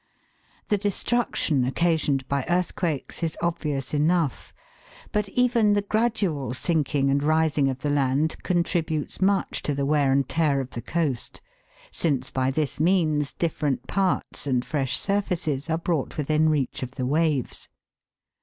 The destruction occasioned by earthquakes is obvious enough, but even the gradual sinking and rising of the land contributes much to the wear and tear of the coast, since by this means different parts and fresh surfaces are brought within reach of the waves.